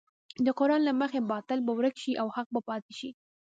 د قران له مخې باطل به ورک شي او حق به پاتې شي.